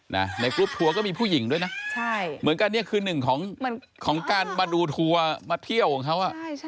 ในกรุ๊ปทัวร์ก็มีผู้หญิงด้วยนะใช่เหมือนกันเนี่ยคือหนึ่งของการมาดูทัวร์มาเที่ยวของเขา